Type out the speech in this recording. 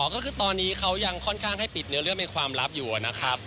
ก็คือตอนนี้เขายังค่อนข้างให้ปิดเนื้อเรื่องในความลับอยู่นะครับ